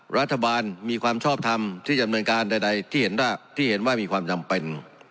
รัฐบาลมีความชอบทำที่จำเนินการใดที่เห็นว่ามีความจำเป็น